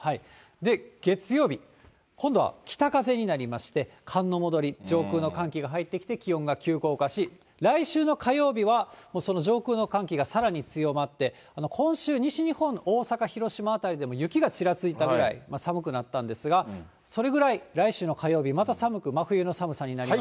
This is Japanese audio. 月曜日、今度は北風になりまして、寒の戻り、上空の寒気が入ってきて、気温が急降下し、来週の火曜日はもうその上空の寒気がさらに強まって、今週、西日本、大阪、広島辺りでも、雪がちらついたぐらい寒くなったんですが、それぐらい来週の火曜日、また寒く、真冬の寒さになります。